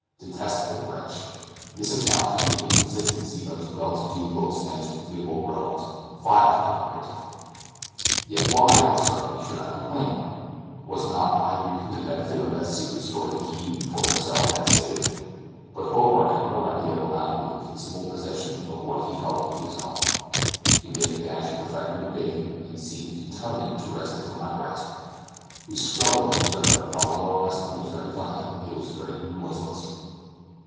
Detestable wretch! This accounts for the inconsistency of his well to do looks and his pitiable groans. Vile hypocrite! Yet why, it struck me, should I complain? Was not I reaping the benefit of that secret store that he, for himself, had saved? But Hobart had no idea of allowing me the peaceable possession of what he held to be his own. He made a dash at the fragment of bacon, and seemed determined to wrest it from my grasp. We struggled with each other, but although our wrestling was very violent, it was very noiseless.